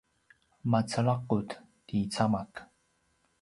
macelaqut ti camak